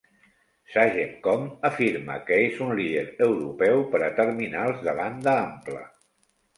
Sagemcom afirma que és un líder europeu per a terminals de banda ampla.